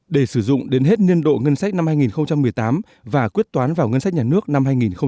để sử dụng đến hết niên độ ngân sách năm hai nghìn một mươi tám và quyết toán vào ngân sách nhà nước năm hai nghìn một mươi bảy